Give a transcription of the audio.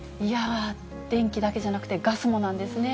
電気だけじゃなくて、ガスもなんですね。